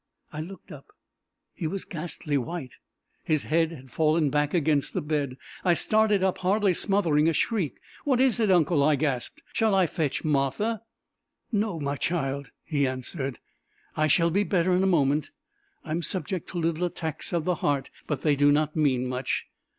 I looked up. He was ghastly white; his head had fallen back against the bed. I started up, hardly smothering a shriek. "What is it, uncle?" I gasped. "Shall I fetch Martha?" "No, my child," he answered. "I shall be better in a moment. I am subject to little attacks of the heart, but they do not mean much.